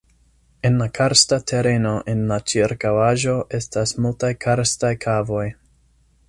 Sur la karsta tereno en la ĉirkaŭaĵo estas multaj karstaj kavoj.